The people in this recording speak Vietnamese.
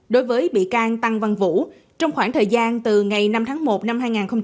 đối với bị can tăng văn vũ trong khoảng thời gian từ ngày năm tháng một năm hai nghìn hai mươi